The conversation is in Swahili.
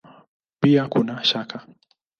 Bila ya shaka!